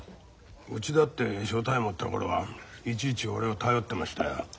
うちだって所帯持った頃はいちいち俺を頼ってましたよ。